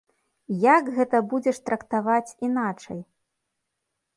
Як гэта будзеш трактаваць іначай?